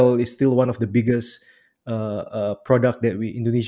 masih salah satu produk yang paling besar